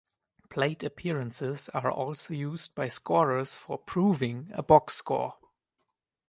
Plate appearances are also used by scorers for "proving" a box score.